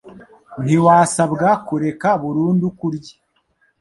Ntibasabwa kureka burundu kurya,